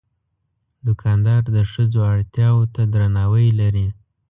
دوکاندار د ښځو اړتیا ته درناوی لري.